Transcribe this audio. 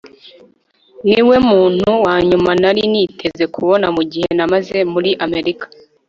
niwe muntu wa nyuma nari niteze kubona mugihe namaze muri amerika